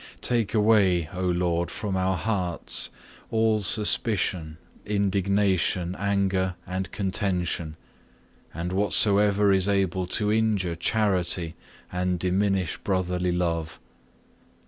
Take away, O Lord, from our hearts all suspicion, indignation, anger, and contention, and whatsoever is able to injure charity and diminish brotherly love.